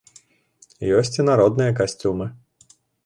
Ёсць і народныя касцюмы.